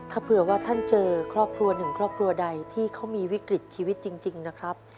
ถ้าเผื่อว่าท่านเจอครอบครัวหนึ่งครอบครัวใดที่เขามีวิกฤตชีวิตจริงนะครับ